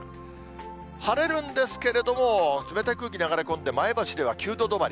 晴れるんですけれども、冷たい空気流れ込んで、前橋では９度止まり。